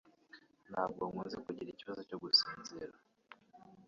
Ntabwo nkunze kugira ikibazo cyo gusinzira